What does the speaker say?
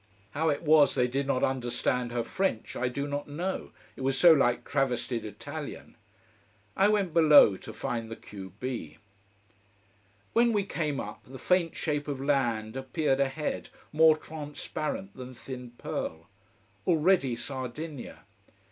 How it was they did not understand her French I do not know, it was so like travestied Italian. I went below to find the q b. When we came up, the faint shape of land appeared ahead, more transparent than thin pearl. Already Sardinia.